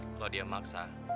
kalau dia maksa